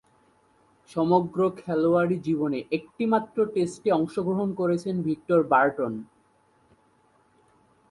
সমগ্র খেলোয়াড়ী জীবনে একটিমাত্র টেস্টে অংশগ্রহণ করেছেন ভিক্টর বার্টন।